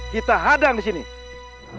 kita hadapkan orang orang yang banyak